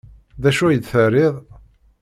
D acu ay d-terriḍ?